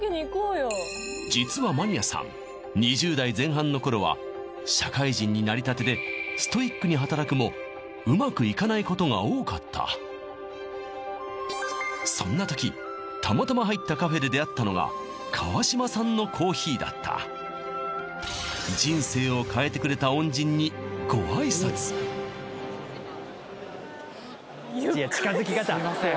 実はマニアさん２０代前半の頃は社会人になりたてでストイックに働くもうまくいかないことが多かったそんな時たまたま入ったカフェで出会ったのが川島さんのコーヒーだった人生を変えてくれた恩人にご挨拶すみません